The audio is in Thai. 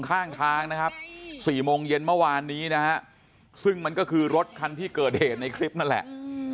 ข้างทางนะครับ๔โมงเย็นเมื่อวานนี้นะฮะซึ่งมันก็คือรถคันที่เกิดเหตุในคลิปนั่นแหละ